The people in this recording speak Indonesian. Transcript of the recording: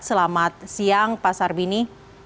selamat siang pak sarbini